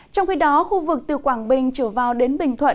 trong khi đó khu vực từ quảng bình trở vào đến bình thuận